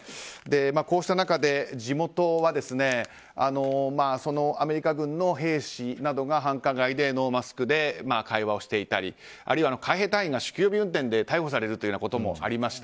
こうした中で、地元はアメリカ軍の兵士などが繁華街でノーマスクで会話していたりあるいは海兵隊員が酒気帯び運転で逮捕されるということもありました。